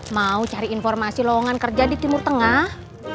mau cari informasi lowongan kerja di timur tengah